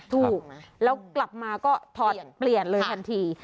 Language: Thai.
ถูกแล้วกลับมาก็ถอดเปลี่ยนเลยทันที